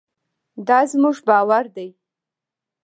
دا زموږ باور دی.